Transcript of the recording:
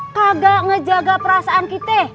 kagak ngejaga perasaan kita